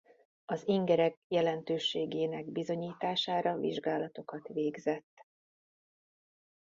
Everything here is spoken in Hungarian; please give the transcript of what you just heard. Az ingerek jelentőségének bizonyítására vizsgálatokat végzett.